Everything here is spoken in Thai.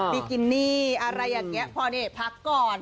ิกินี่อะไรอย่างนี้พอนี่พักก่อน